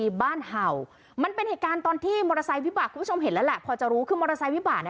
กลุ่มการคลิปควรหรือคลิปนี้คุณผู้ใช้เฟซบุ๊คคนนึงเขาเอาลงไปโพสต์ค่ะ